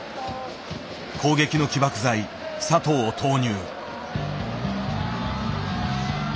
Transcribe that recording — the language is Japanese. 攻撃の起爆剤佐藤を投入。